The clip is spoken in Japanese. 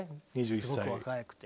すごく若くて。